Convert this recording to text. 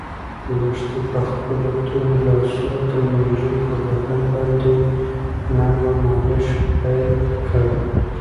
لښتې په خپلو تورو لاسو د مېږې په بدن باندې نرمه مالش پیل کړ.